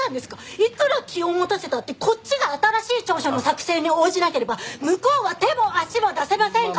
いくら気を持たせたってこっちが新しい調書の作成に応じなければ向こうは手も足も出せませんからね！